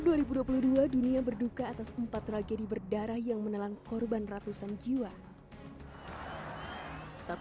dua dunia berduka atas empat tragedi berdarah yang menelan korban ratusan jiwa